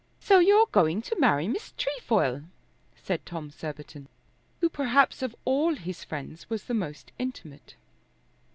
"So you're going to marry Miss Trefoil," said Tom Surbiton, who perhaps of all his friends was the most intimate.